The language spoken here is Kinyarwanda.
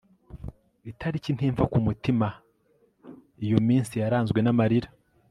itariki ntimva ku mutima, iyo minsi yaranzwe n'amarira